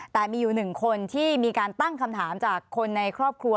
แต่มีอยู่หนึ่งคนที่มีการตั้งคำถามจากคนในครอบครัว